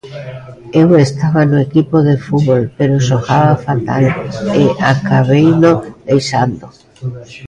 Eu estaba no equipo de fútbol, pero xogaba fatal e acabeino deixando.